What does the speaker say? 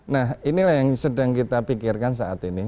nah inilah yang sedang kita pikirkan saat ini